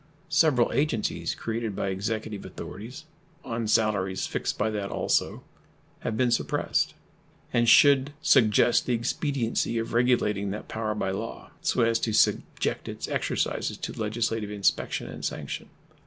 Several agencies created by Executive authorities, on salaries fixed by that also, have been suppressed, and should suggest the expediency of regulating that power by law, so as to subject its exercises to legislative inspection and sanction.